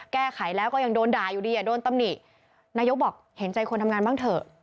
แก้ไขแล้วก็ยังโดนด่าอยู่ดีอ่ะโดนตำหนินายกบอกเห็นใจคนทำงานบ้างเถอะ